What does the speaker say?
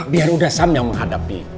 biar udah sam yang menghadapi